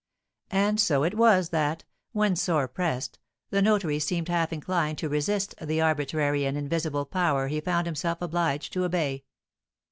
And so it was that, when sore pressed, the notary seemed half inclined to resist the arbitrary and invisible power he found himself obliged to obey.